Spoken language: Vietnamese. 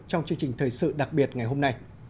trong chương trình thời sự đặc biệt ngày hôm nay